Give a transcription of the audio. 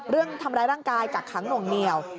เรื่องทำร้ายร่างกายกักขังหน่วงเหนียว